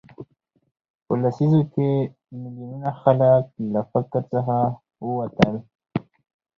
په لسیزو کې میلیونونه خلک له فقر څخه ووتل.